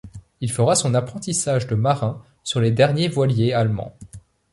Il fera son apprentissage de marin sur les derniers voiliers allemands.